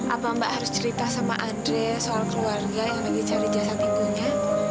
apa mbak harus cerita sama andre soal keluarga yang lagi cari jasad ibunya